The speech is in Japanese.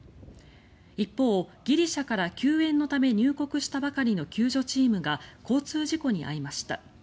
一方、ギリシャから救援のため入国したばかりの救助チームが交通事故に遭いました。